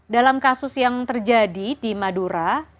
dalam kasus yang terjadi di madura